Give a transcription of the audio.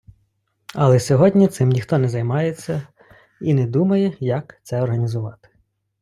Але сьогодні цим ніхто не займається і не думає, як це організувати.